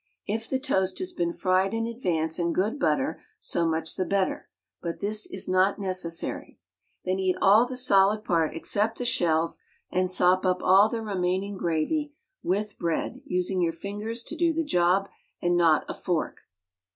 If the toast has been fried in advance in good butter, so much the better, but this is not necessary. Then eat all the solid part except the shells and sop up all the remaining gravy with bread, using your fingers to do the job and not a fork.